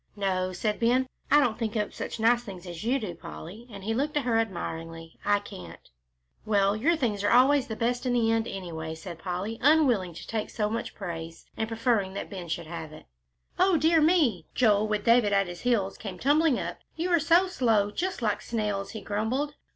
"No," said Ben, "I don't think up such nice things as you do, Polly," and he looked at her admiringly; "I can't." "Well, your things are always best in the end, anyway," said Polly, unwilling to take so much praise, and preferring that Ben should have it. "O dear me!" Joel, with David at his heels, came tumbling up. "You are so slow, just like snails," he grumbled.